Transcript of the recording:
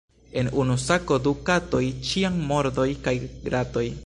En unu sako du katoj, ĉiam mordoj kaj gratoj.